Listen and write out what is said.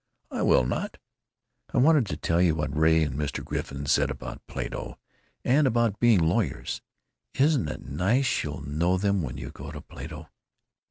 "I will not!" "I wanted to tell you what Ray and Mr. Griffin said about Plato and about being lawyers. Isn't it nice you'll know them when you go to Plato?"